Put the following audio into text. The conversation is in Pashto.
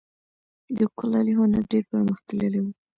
د کلالي هنر ډیر پرمختللی و